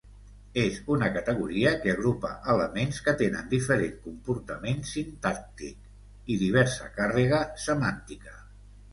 És una categoria que agrupa elements que tenen diferent comportament sintàctic i diversa càrrega semàntica.